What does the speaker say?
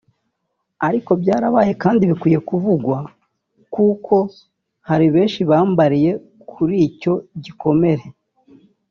ariko byarabaye kandi bikwiye kuvugwa kuko hari benshi bambariye kuri icyo gikomere